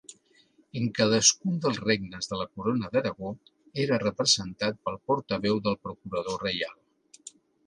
En cadascun dels regnes de la Corona d'Aragó era representat pel portaveu del Procurador reial.